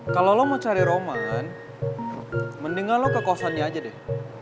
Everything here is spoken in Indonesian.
kalau lo mau cari roma kan mendingan lo ke kosannya aja deh